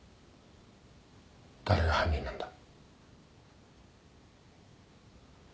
誰が犯人なんだ？